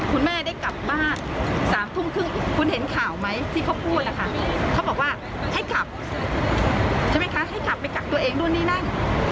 คุณแม่ได้กลับบ้าน๓ทุ่มครึ่งคุณเห็นข่าวไหมที่เขาพูดนะคะเขาบอกว่าให้กลับใช่ไหมคะให้กลับไปกักตัวเองนู่นนี่นั่น